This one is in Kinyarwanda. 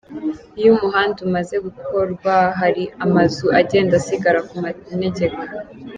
Iyo umuhanda umaze gukorwa, hari amazu agenda asigara ku manegeka.